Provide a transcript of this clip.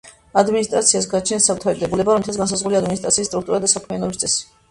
ადმინისტრაციას გააჩნია საკუთარი დებულება, რომლითაც განსაზღვრულია ადმინისტრაციის სტრუქტურა და საქმიანობის წესი.